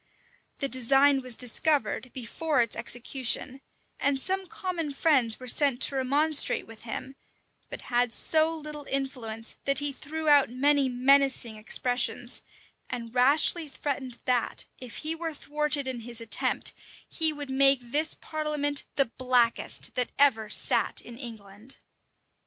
The design was discovered before its execution; and some common friends were sent to remonstrate with him, but had so little influence, that he threw out many menacing expressions, and rashly threatened that, if he were thwarted in his attempt, he would make this parliament the blackest that ever sat in England.